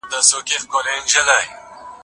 بڼوال تر بل هر چا په اوږه باندي ګڼ توکي راوړي.